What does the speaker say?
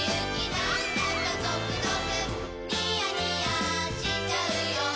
なんだかゾクゾクニヤニヤしちゃうよ